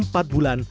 waktu empat bulan